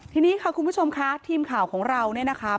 ทีนี้ค่ะคุณผู้ชมค่ะทีมข่าวของเราเนี่ยนะคะ